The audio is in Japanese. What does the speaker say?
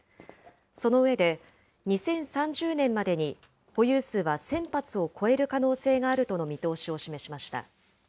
その上で、２０３０年までに保有数は１０００発を超える可能性があるとの見通しを示しました。